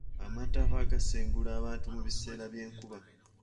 Amataba gaasengula abantu mu biseera by'enkuba.